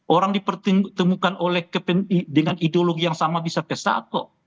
orang dipertemukan dengan ideologi yang sama bisa pesat kok